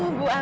oh bu ambar